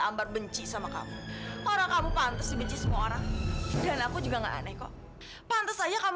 sampai jumpa di video selanjutnya